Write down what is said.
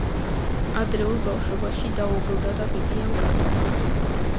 ადრეულ ბავშვობაში დაობლდა და ბებიამ გაზარდა.